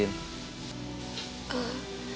enggak jujur apa ya mas